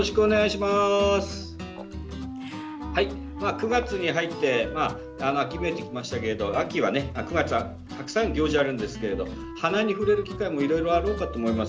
９月に入って秋めいてきましたけれども秋は９月はたくさん行事があるんですけれど花に触れる機会もいろいろあろうかと思います。